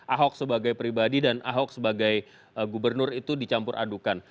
ahok sebagai pribadi dan ahok sebagai gubernur itu dicampur adukan